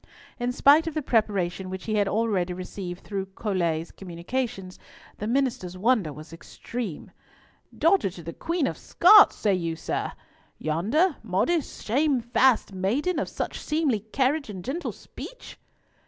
In spite of the preparation which he had already received through Colet's communications, the minister's wonder was extreme. "Daughter to the Queen of Scots, say you, sir! Yonder modest, shamefast maiden, of such seemly carriage and gentle speech?"